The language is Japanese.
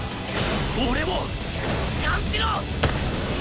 俺を感じろ！